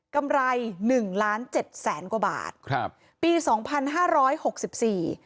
กำไรหนึ่งล้านเจ็ดแสนกว่าบาทครับปีสองพันห้าร้อยหกสิบสี่